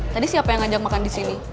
tadi siapa yang ngajak makan disini